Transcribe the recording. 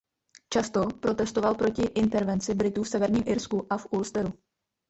Často protestoval proti intervenci Britů v Severním Irsku a v Ulsteru.